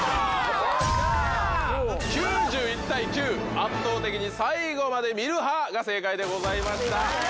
圧倒的に最後まで見る派が正解でございました。